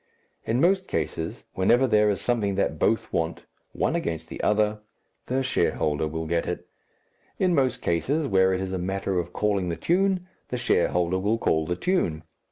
In most cases, whenever there is something that both want, one against the other, the shareholder will get it; in most cases, where it is a matter of calling the tune, the shareholder will call the tune.